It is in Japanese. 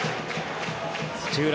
土浦